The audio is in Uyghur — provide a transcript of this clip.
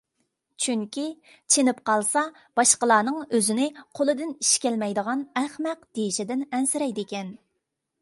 چۈنكى، چېنىپ قالسا باشقىلارنىڭ ئۆزىنى قولىدىن ئىش كەلمەيدىغان ئەخمەق دېيىشىدىن ئەنسىرەيدىكەن.